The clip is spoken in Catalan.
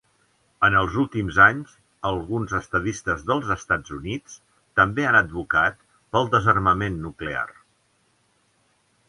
En els últims anys, alguns estadistes dels Estats Units també han advocat pel desarmament nuclear.